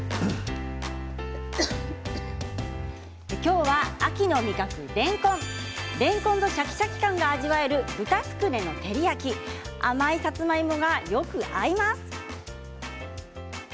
今日は秋の味覚れんこんのシャキシャキ感が味わえる豚つくねの照り焼き甘いさつまいもが、よく合います。